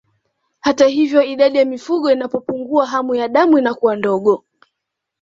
Hata hivyo idadi ya mifugo inapopungua hamu ya damu inakuwa ndogo